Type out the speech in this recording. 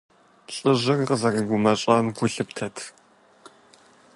Лӏыжьыр къызэрыгумэщӀам гу лъыптэрт.